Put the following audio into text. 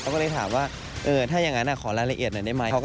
ก็เลยถามว่าถ้าอย่างนั้นขอรายละเอียดหน่อยได้ไหม